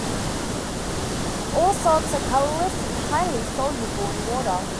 All salts are colourless and highly soluble in water.